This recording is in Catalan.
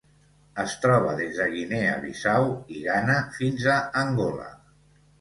Es troba des de Guinea Bissau i Ghana fins a Angola.